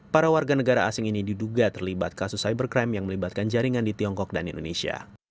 para warga negara asing ini diduga terlibat kasus cybercrime yang melibatkan jaringan di tiongkok dan indonesia